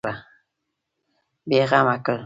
بېغمه کړ.